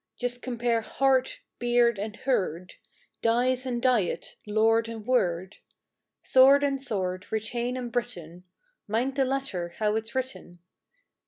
Just compare heart, beard and heard, Dies and diet, lord and word, Sword and sward, retain and Britain, (Mind the latter, how it's written!)